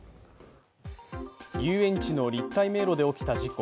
遊園地の立体迷路で起きた事故。